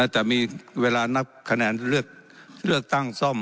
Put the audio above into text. แต่มีเวลานับคะแนนเลือกตั้งซ่อม